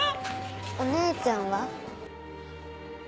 お姉ちゃんは？